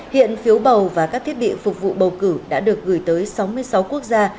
hiện phiếu bầu và các thiết bị phục vụ bầu cử đã được gửi tới sáu mươi sáu quốc gia